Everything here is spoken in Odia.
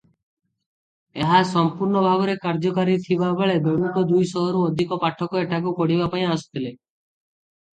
ଏହା ସମ୍ପୂର୍ଣ୍ଣ ଭାବରେ କାର୍ଯ୍ୟକାରୀ ଥିବା ବେଳେ ଦୈନିକ ଦୁଇ ଶହରୁ ଅଧିକ ପାଠକ ଏଠାକୁ ପଢ଼ିବା ପାଇଁ ଆସୁଥିଲେ ।